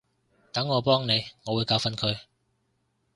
等我幫你，我會教訓佢